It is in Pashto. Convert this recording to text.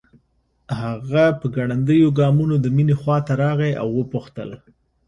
هغه په ګړنديو ګامونو د مينې خواته راغی او وپوښتل